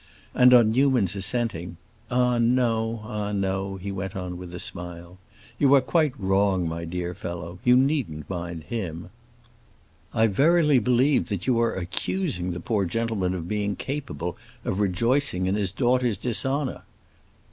And on Newman's assenting, "Ah no, ah no," he went on with a smile. "You are quite wrong, my dear fellow; you needn't mind him." "I verily believe that you are accusing the poor gentleman of being capable of rejoicing in his daughter's dishonor."